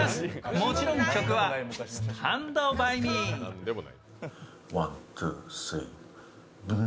もちろん曲は「スタンド・バイ・ミー」。